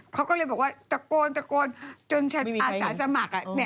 เขาก็เลยบอกว่าตะโกนตะโกนจนอาสาสมัคร